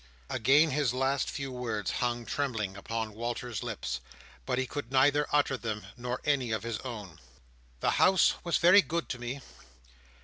Again his last few words hung trembling upon Walter's lips, but he could neither utter them, nor any of his own. "The House was very good to me.